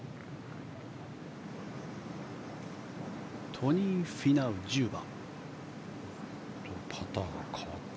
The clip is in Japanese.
トニー・フィナウ、１０番。